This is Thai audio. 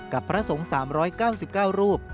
พระสงฆ์๓๙๙รูป